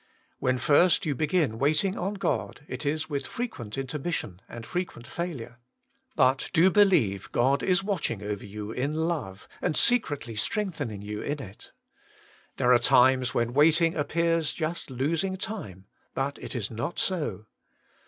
When first you begin waiting on God, it is with fre quent intermission and frequent failure. But do believe God is watching over you in love and secretly strengthening you in it. There are times when waiting appears just losing time, but it is not so.